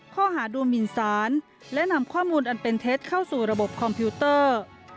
ข้อหาดูหมินสารและนำข้อมูลอันเป็นเท็จเข้าสู่ระบบคอมพิวเตอร์